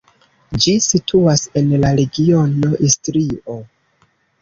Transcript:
Ĝi situas en la regiono Istrio.